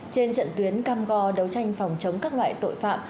trên trận tuyến cam go đấu tranh phòng chống các loại tội phạm